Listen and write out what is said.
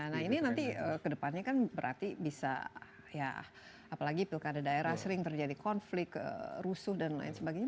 nah ini nanti kedepannya kan berarti bisa ya apalagi pilkada daerah sering terjadi konflik rusuh dan lain sebagainya